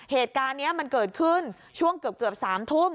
เหตุการณ์นี้มันเกิดขึ้นช่วงเกือบ๓ทุ่ม